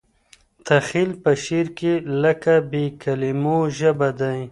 تخیل په شعر کې لکه بې کلیمو ژبه دی.